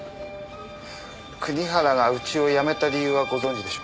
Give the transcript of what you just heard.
国原がうちを辞めた理由はご存じでしょうか？